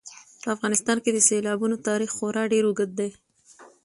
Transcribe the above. په افغانستان کې د سیلابونو تاریخ خورا ډېر اوږد دی.